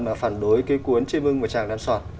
mà phản đối cái cuốn chê mưng và tràng đan sọt